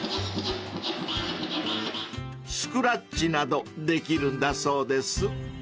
［スクラッチなどできるんだそうです］